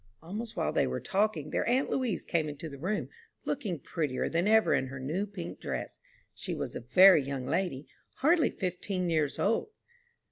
'" Almost while they were talking, their aunt Louise came into the room, looking prettier than ever in her new pink dress. She was a very young lady, hardly fifteen years old.